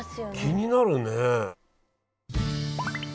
気になるね。